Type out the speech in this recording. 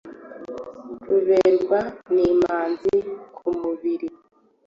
ruberwa n' imanzi ku mubiri